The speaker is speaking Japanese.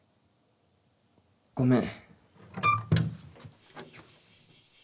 ごめん